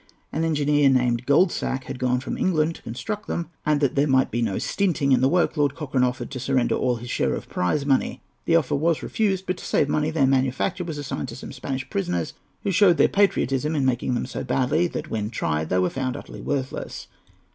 An engineer named Goldsack had gone from England to construct them, and, that there might be no stinting in the work, Lord Cochrane offered to surrender all his share of prize money. The offer was refused; but, to save money, their manufacture was assigned to some Spanish prisoners, who showed their patriotism in making them so badly that, when tried, they were found utterly worthless.